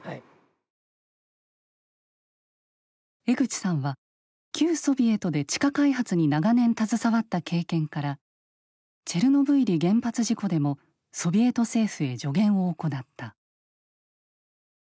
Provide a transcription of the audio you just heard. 江口さんは旧ソビエトで地下開発に長年携わった経験からチェルノブイリ原発事故でもソビエト政府へ助言を行った。